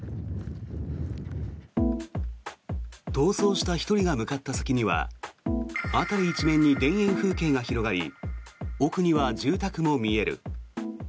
逃走した１人が向かった先には辺り一面に田園風景が広がり奥には住宅も見える。